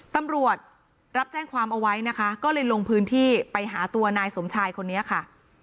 ตำรวจรับแจ้งความเอาไว้นะคะก็เลยลงพื้นที่ไปหาตัวนายสมชายคนนี้ค่ะ